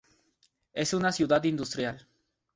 Es una ciudad industrial.